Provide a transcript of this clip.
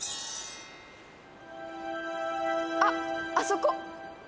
あっあそこ！